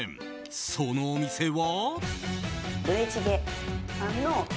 そのお店は。